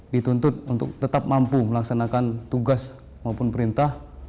dituntut untuk tetap mampu melaksanakan tugas maupun perintah